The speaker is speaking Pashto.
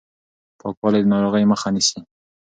پاکوالی د ناروغۍ مخه نيسي.